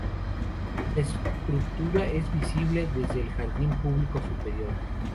La estructura es visible desde el jardín público superior.